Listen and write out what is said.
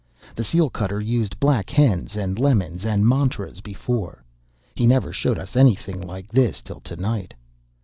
The seal cutter used black hens and lemons and mantras before. He never showed us anything like this till to night.